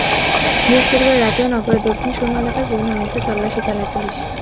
বৃহস্পতিবার রাতেও নগরের দক্ষিণ সুরমা এলাকার বিভিন্ন মেসে তল্লাশি চালায় পুলিশ।